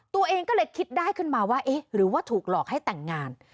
ตัวเองก็เลยคิดได้ขึ้นมาว่าเอ๊ะหรือว่าถูกหลอกให้แต่งงาน